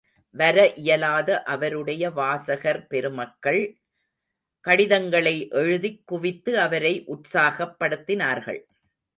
வர இயலாத அவருடைய வாசகர் பெருமக்கள், கடிதங்களை எழுதிக் குவித்து அவரை உற்சாகப்படுத்தினார்கள்.